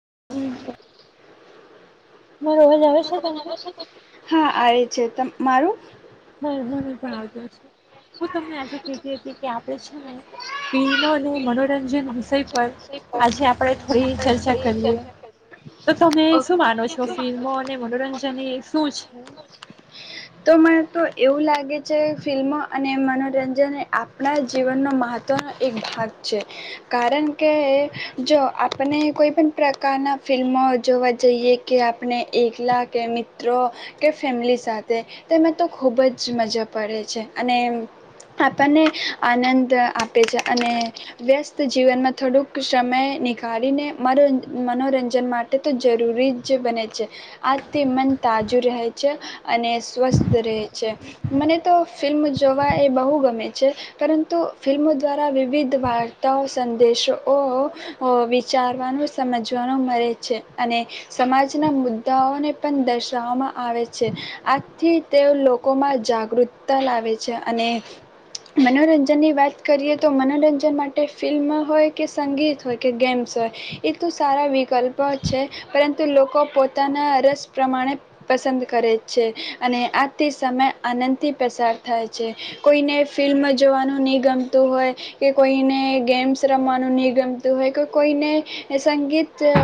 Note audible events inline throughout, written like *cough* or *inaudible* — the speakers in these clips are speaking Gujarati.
*inaudible* મારો અવાજ આવે છે તમને? છે, પન મારું નઈ મને પણ આવતો છે. હું તમને આજે કેહતી હતી કે આપણે છે ને? ફિલ્મો અને મનોરંજન વિષય પર આજે આપણે થોડી ચર્ચા કરીએ તો તમે શું માનો છો? ફિલ્મો અને મનોરંજન એ શું છે? એવું લાગે છે. ફિલ્મો અને મનોરંજન એ આપના જીવનનો મહત્ત્વનો એક ભાગ છે. કારન કે એ જો આપનને કોઈ પન પ્રકારના ફિલ્મો જોવા જઈએ કે આપને એકલા કે મિત્રો કે ફેમિલી સાથે તેમાં તો ખૂબ જ મજા પરે છે. અને આપનને આનંદ આપે છે. અને વ્યસ્ત જીવનમાં થોડુંક સમય નિકારીને માંદોન્જ મનોરંજન માટે તો જરૂરી જ બને છે. આજથી મન તાજું રહે છે અને સ્વસ્થ રહે છે. મને તો ફિલ્મ જોવા એ બહુ ગમે છે. પરંતુ ફિલ્મ દ્વારા વિવિધ વાર્તાઓ સંદેશો ઓહો હો વિચારવાનો સમજવાનો મળે છે. અને સમાજના મુદ્દાઓને પણ દર્શાવવામાં આવે છે. આજથી તેઓ લોકોમાં જાગૃતતા લાવે છે અને મનોરંજનની વાત કરીએ તો મનોરંજન તે માટે ફિલ્મ હોય કે સંગીત હોય કે ગેમ્સ હોય એ તો સારા વિકલ્પ છે. પરંતુ લોકો પોતાના રસ પ્રમાણે પસંદ કરે છે. અને આજથી સમય આનંદથી પસાર થાય છે. કોઈને ફિલ્મ જોવાનું ની ગમતું હોય કે કોઈને ગેમ્સ રમવાનું ની ગમતું હોય કે કોઈને સંગીત અ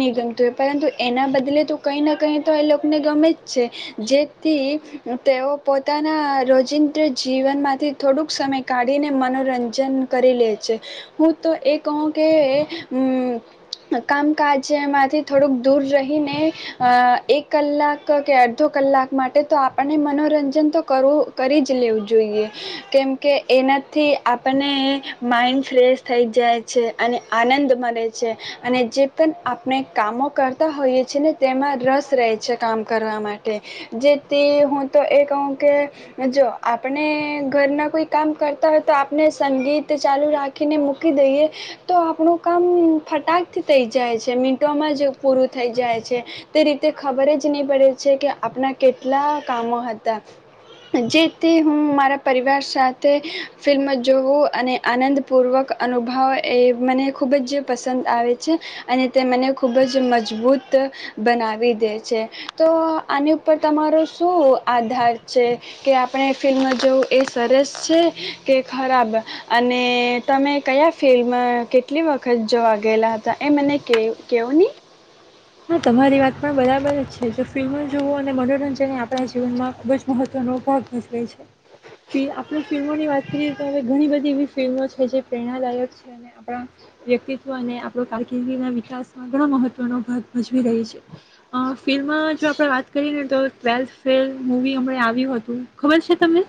ની ગમતું હોય પરંતુ એના બદલે તો કંઈ ન કંઈ તો એ લોકોને ગમે જ છે. જેથી તેઓ પોતાના રોજિંદ્ર જીવનમાંથી થોડુંક સમય કાઢીને મનોરંજન કરી લે છે. હું તો એ કહું કે અહમ કામકાજેમાંથી થોડુંક દૂર રહીને અ એક કલાક કે અડધો કલાક માટે તો આપણને મનોરંજન તો કરવું કરી જ લેવું જોઈએ. કેમકે એનાથી આપનને માઇન્ડ ફ્રેશ થઈ જાય છે. અને આનંદ મળે છે. અને જે પણ આપણે કામો કરતા હોઈએ છીએ ને તેમાં રસ રહે છે કામ કરવા માટે. જેથી હું તો એ કહું કે જો આપણે ઘરના કોઈ કામ કરતા હોય તો આપણે સંગીત તે ચાલુ રાખીને મૂકી દઈએ તો આપણું કામ ફટાકથી થઈ જાય છે. મીટોમાં જ પૂરું થઈ જાય છે. તે રીતે ખબર જ નહીં પડે છે કે આપણા કેટલા કામો હતા. જેથી હું મારા પરિવાર સાથે ફિલ્મ જોઉં અને આનંદપૂર્વક અનુભવ એ મને ખૂબ જ પસંદ આવે છે. અને તે મને ખૂબ જ મજબૂત બનાવી દે છે. તો આની ઉપર તમારો શું આધાર છે? કે આપણે ફિલ્મ જવું એ સરસ છે કે ખરાબ અને તમે કયા ફિલ્મ કેટલી વખત જોવા ગગેલા હતા એ મને ક કેવો ની. હા તમારી વાત પણ બરાબર જ છે. જો ફિલ્મો જુવઓ અને મનોરંજન આપણા જીવનમાં ખૂબ જ મહત્વનો ભાગ ભજવે છે. ફિલ આપણએ ફિલ્મોની વાત કરીએ તો હવે ઘણી બધી એવી ફિલ્મો છે જે પ્રેરણાદાયક છે. અને આપણા વ્યક્તિત્વ અને આપણ કારકિર્દીના વિકાસમાં ઘણા મહત્વનો ભાગ ભજવી રહી છે. અ ફિલ્મમાં જો આપણે વાત કરી ને તો ટ્વેલ્થ ફેલ મુવી હમને આવ્યું હતું. ખબર છે તમને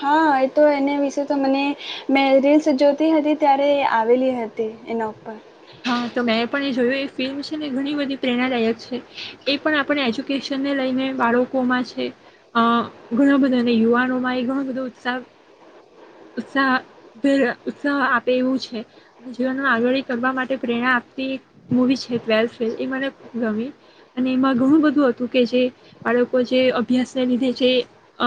હા, એ તો એના વિશે તો મને મે રીલ્સ જોતી હતી ત્યારે આવેલી હતી એના ઉપર હા તો મેં પણ એ જોયું એ ફિલ્મ છે ને ઘણી બધી પ્રેરણાદાયક છે. એ પણ આપણે એજ્યુકેશનને લઈને બાળકોમાં છે. અ ઘણા બધા ને યુવાનોમાં એ ઘનો બધો ઉત્સા ઉત્સાહ પ્રેય ઉત્સાહ આપે એવું છે. જીવન આગડી કરવા માટે પ્રેરણા આપતી મુવી છે. ટ્વેલ્થ ફેલ એ મને ગમી અને એમાં ઘણું બધું હતું કે જે બાળકો જે અભ્યાસને લીધે જે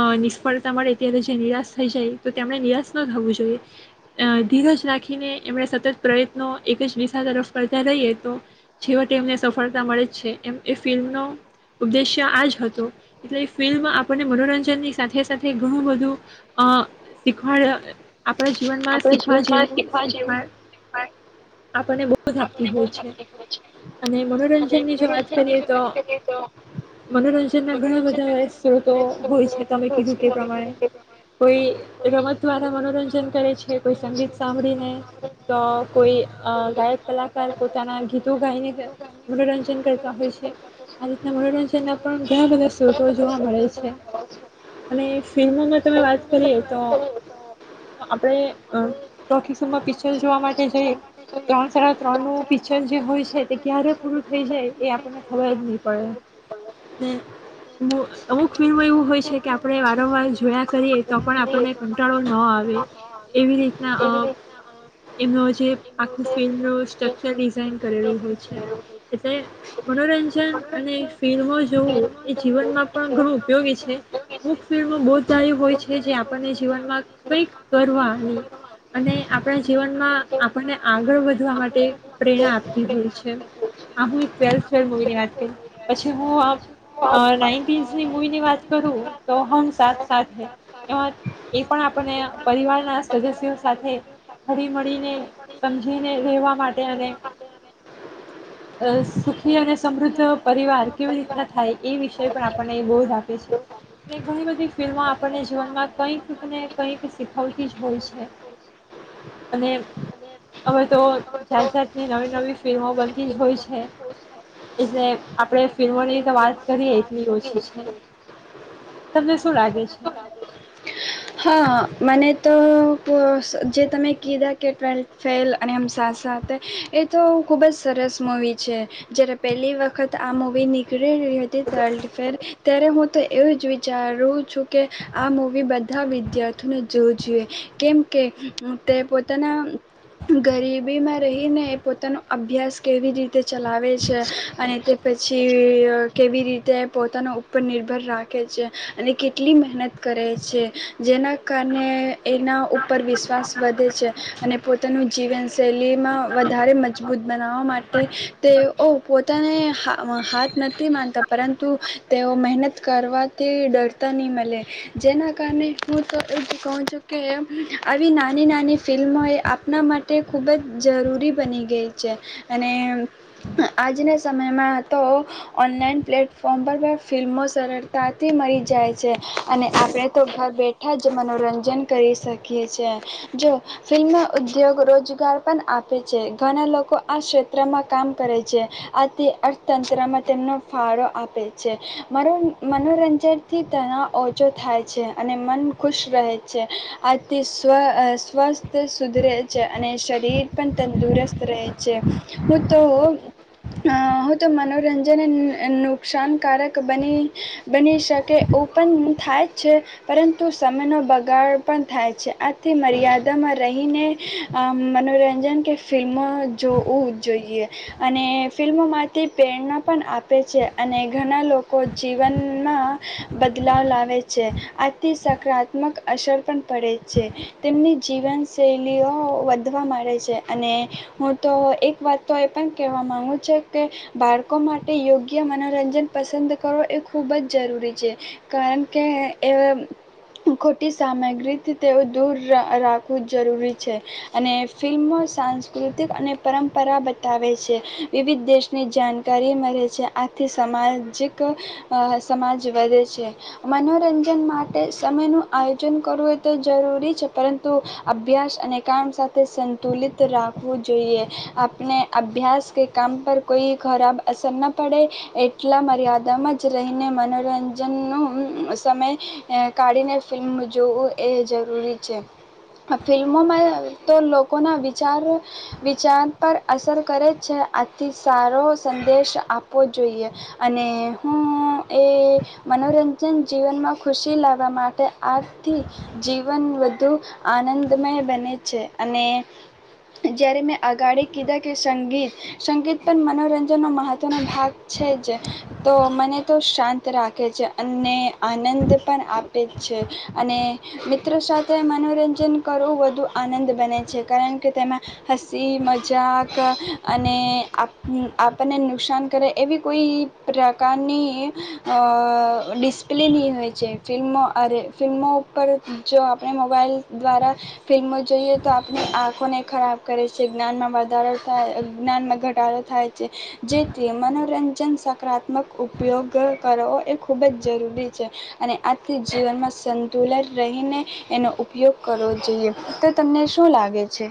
અ નિષ્ફળતા મળે ત્યારે જે નિરાશ થઈ જાય તો તેમણે નિરાશ ન થવું જોઈએ. અ ધીરજ રાખીને એમણે સતત પ્રયત્નો એકજ વી ના તરફ કરતા રહીએ તો છેવટે એમને સફળતા મળે જ છે. એમ એ ફિલ્મનો ઉદ્દેશ્ય આ જ હતો. એટલે એ ફિલ્મ આપણને મનોરંજનની સાથે સાથે ઘણું બધું અહ શીખડ આપ આપણા જીવનમાં શીખવા જેવું શીખવા આપણને બહુ જ આપતી હોય છે. અને મનોરંજનની જો વાત કરીએ તો અ મનોરંજનના ઘણા બધા સોતો હોય છે. તમે કીધું તે પ્રમાણે કોઈ રમત દ્વારા મનોરંજન કરે છે કોઈ સંગીત સાંભળીને તો કોઈ અ ગાયક કલાકાર પોતાના ગીતો ગાઈને ક મનોરંજન કરતા હોય છે. આ રીતના મનોરંજનના પણ ઘણા બધા સત્રોતો જોવા મળે છે. અને ફિલ્મોમાં તમે વાત કરીએ તો આપણે અ ટોકિઝોમાં પિક્ચર જોવા માટે જઈ ત્રણ સાડા ત્રણ નું પિક્ચર જે હોય છે તે ક્યારે પૂરું થઈ જાય એ આપણને ખબર જ નહી પડે. ને અમુ અમુક ફિલ્મો એવું હોય છે કે આપણે વારંવાર જોયા કરીએ તો પણ આપણને કંટાળો ન આવે એવી રીતના અહ એમનો જે આખું ફિલ્મનું સ્ટ્રક્ચર ડિઝાઇન કરેલું હોય છે. એટલે મનોરંજન અને ફિલ્મો જોવું એ જીવનમાં પણ ઘણું ઉપયોગી છે. અમુક ફિલ્મો બઉજ સારી હોય છે, જે આપણને જીવનમાં કઈક કરવાની અને આપણા જીવનમાં આપ પને આગળ વધવા માટે પ્રેરણા આપતી હોય છે. આ હુ એક ટ્વેલ્થ ફેલ મુવી ની વાત કરી. પછી હું અહ અહ નાઈન્ટીસ ની મુવીની વાત કરું, તો હમ સાથ સાથ હે. એમાં એ પણ આપને પરિવારના સદસ્યો સાથે હળી મળીને સમજીને રહેેવા માટે અને અહ સુખી અને સમૃદ્ધ પરિવાર કેવી રીતના થાય એ વિષય પણ આપણને બહુજ આપે છે. ને ઘણી બધી ફિલ્મો આપણને જીવનમાં કંઈક ને કંઈક શીખવતી જ હોય છે. અને અવે તો જાત જાતની નવી નવી ફિલ્મો બનતી જ હોય છે. એટલે આપણે ફિલ્મોની તો વાત કરીએ એટલી ઓછી છે. તમને શું લાગે છે? હા મને તો અહ જે તમે કીધા કે ટ્વેલ્થ ફેલ અને હમ સાથ સાથ હે. એ તો ખૂબ જ સરસ મૂવી છે. જ્યારે પહેલી વખત આ મૂવી નીકળી હતી ટ્વેલ્થ ફેલ ત્યારે હું તો એવું જ વિચારું છું કે આ મુવી બધા ઘા વિદ્યાર્થીને જોવી જોઈએ. કેમ કે તે પોતાના ગરીબીમાં રહીને પોતાનો અભ્યાસ કેવી રીત તે ચલાવે છે અને તે પછી ઇ કેવી રીતે પોતાના ઉપર નિર્ભર રાખે છે. અને કેટલી મહેનત કરે છે. *inaudible* જેના કારણે એના ઉપર વિશ્વાસ વધે છે. અને પોતે તન જીવન શૈલી માં વધારે મજબૂત બનાવવા માટે તેઓ પોતાને. હાથ નથી માનતા પરંતુ તેઓ મહેનત કરવાથી ડરતા નહીં મળે જેના. કારણે હું તો એ જ કહું છું કે આવી નાની નાની ફિલ્મો એ આપણા માટે ખૂબ જ જરૂરી બની ગઈ છે અને આજના સમયમાં તો ઓનલાઈન પ્લેટફોર્મ પર પણ ફિલ્મો સરળતાથી મળી જાય છે અને આપણે. તો ઘર બેઠા જ મનોરંજન કરી શકીએ છે જો ફિલ્મ ઉદ્યોગ રોજગાર પણ આપે છે ઘણા લોકો આ ક્ષેત્રમાં કામ કરે છે આથી અર્થતંત્રમાં તેમનો. ફાળો આપે છે મનોરંજન. થી તણાવ ઓછો થાય છે. છે અને મન ખુશ રહે છે આજથી સ્વ સ્વસ્થ સુધરે છે અને શરીર પણ તંદુરસ્ત રહે છે હું તો હું તો મનોરંજન નુકસાનકારક બની બની શકે ઓ પણ થાય. છે પરંતુ સમયનો બગાડ. પણ થાય છે આથી મર્યાદામાં રહીને આ મનોરંજન. રંજન કે ફિલ્મો જોવું જોઈએ અને ફિલ્મોમાંથી પ્રેરણા પણ આપે છે અને ઘણા લોકો જીવનમાં બદલાવ લાવે છે. છે આથી સકારાત્મક અસર પણ પડે છે તેમની જીવનશૈલીઓ વધવા માંડે છે અને હું તો એક વાત તો એ પણ કહેવા માગુ છું કે બાળકો માટે યોગ્ય મનોરંજન પસંદ કરો એ ખૂબ જ જરૂરી છે કારણ કે. કે એ ખોટી સામગ્રીથી તેઓ દૂર રાખવું જરૂરી છે અને ફિલ્મો સાંસ્કૃતિક અને પરંપરા બતાવે છે વિવિધ દેશની જાણકારી મળે છે આથી સામાજિક સમાજ વધે છે. મનોરંજન માટે સમયનું આયોજન કરવું એ તો જરૂરી છે પરંતુ અભ્યાસ અને કામ સાથે સંતુલિત રાખવું જોઈએ આપણે અભ્યાસ કે કામ પર કોઈ ખરાબ અસર ન પડે એટલા મર્યાદામાં જ રહીને મનોરંજનનું. સમય કાઢીને ફિલ્મ જોવું એ જરૂરી છે ફિલ્મોમાં તો લોકોના વિચાર વિચાર પર અસર કરે છે આથી સારો સંદેશ આપવો જોઈએ અને હું એ મનોરંજ. ન જીવનમાં ખુશી લાવવા માટે આથી જીવન વધુ આનંદમય બને છે. અને જ્યારે મેં આગાળ કીધા કે, સંગીત સંગીત પણ મનોરંજનનો મહત્ત્વનો ભાગ છે. જ તો મને તો શાંત રાખે છે. અને આનંદ પણ આપે છે. અને મિત્રો સાથે મનોરંજન કરવું વધુ આનંદ બને છે. કારણ કે, તેમાં હસી મજાક અને આપણને નુકસાન કરે એવી કોઈ પ્રકારની. ડિસ્પ્લેની હોય છે. ફિલ્મો અરે ફિલ્મો ઉપર જો આપણે મોબાઈલ દ્વારા ફિલ્મો જોઈએ, તો આપણી આંખોને ખરાબ કરે છે. જ્ઞાનમાં વધારો થાય જ્ઞાનમાં ઘટાડો થાય છે. જેથી મનોરંજન સકારાત્મક ઉપયોગ કરવો એક ખૂબ જ જરૂરી છે. અને આજથી જીવનમાં સંતુલન રહીને એનો ઉપયોગ કરવો જોઈએ, તો તમને શું લાગે છે.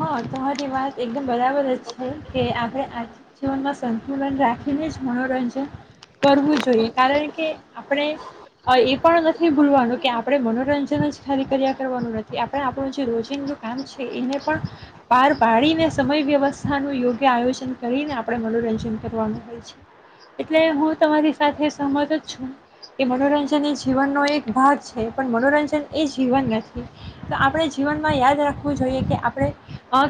હ, તમારી વાત એકદમ બરાબર જ છે, કે આપણે આર્થિક જીવનમાં સંતુલન રાખીને જ મનોરંજન. કરવું જોઈએ. કારણ કે, આપણે અ એ પણ નથી. નથી ભૂલવાનું કે, આપણે મનોરંજન જ ખાલી કર્યા કરવાનું નથી, આપણે આપણું જે રોજિંદુ આામ છે. એને પાડીને સમય વ્યવસ્થા નું યોગ્ય આયોજન કરીને, આપણે મનોરંજન કરવાનું હોય છે. એટલે હું તમારી સાથે સહમત જ છું, કે મનોરંજન એ જીવનનો એક ભાગ છે. પણ મનોરંજન એ જીવન નથી તો આપણે જીવનમાં યાદ રાખવું જોઈએ, કે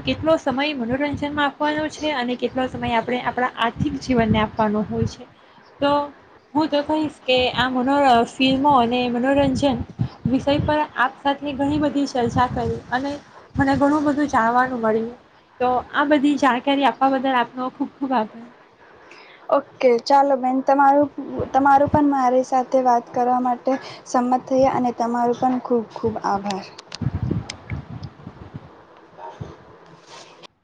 કેટલો સમય મનોરંજનમાં આપવાનો છે. અને કેટલો સમય આપણે આપણા આર્થિક જીવનને આપવાનો હોય છે. તો હું તો કહીશ કે, આ મનો ફિલ્મો અને મનોરંજન વિષય પર આપ સાથે ઘણી બધી ચર્ચા કરી અને મને ઘણું બધું. જાણવાનું મળ્યું, તો આ બધી જાણકારી આપવા બદલ આપનો ખુબ ખુબ આભાર. ઓકે ચાલો, બેન તમારું તમારું પણ મારી સાથે વાત કરવા માટે સંમત થઈ અને તમારું પણ ખૂબ ખૂબ આભાર. *inaudible*